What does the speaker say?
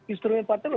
instrumen partai itu